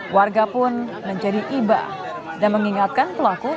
warga pun menjadi iba dan mengingatkan pelaku